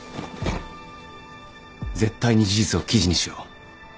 絶対に事実を記事にしよう。